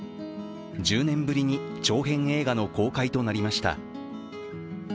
１０年ぶりに長編映画の公開となりました。